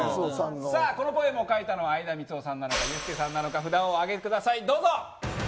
このポエムを書いたのは相田みつをさんなのかユースケさんなのか札をお上げください。